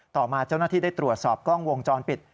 ต่อมาเจ้าหน้าที่ได้ตรวจสอบกล้องวงจรปิด